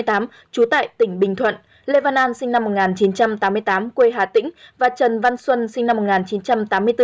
một nghìn chín trăm tám mươi tám trú tại tỉnh bình thuận lê văn an sinh năm một nghìn chín trăm tám mươi tám quê hà tĩnh và trần văn xuân sinh năm